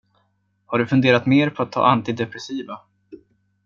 Har du funderat mer på att ta antidepressiva?